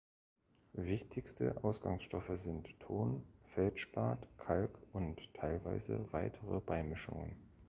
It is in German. Wichtigste Ausgangsstoffe sind Ton, Feldspat, Kalk und teilweise weitere Beimischungen.